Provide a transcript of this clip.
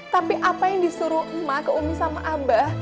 tapi apa yang disuruh mbah ke umi sama abah